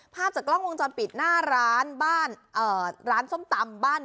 ภาพจากกล้องวงจรปิดหน้าร้านบ้านร้านส้มตำบ้าน